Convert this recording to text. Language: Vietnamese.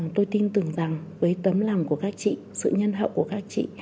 tôi tin tưởng rằng với tấm lòng của các chị sự nhân hậu của các chị